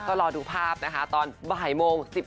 ก็รอดูภาพนะคะตอนบ่ายโมง